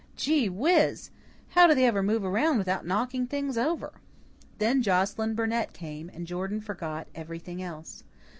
"Gee whiz! How do they ever move around without knocking things over?" Then Joscelyn Burnett came, and Jordan forgot everything else.